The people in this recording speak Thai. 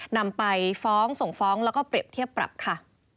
นำไปฟ้องส่งฟ้องแล้วก็เปรียบเทียบปรับค่ะ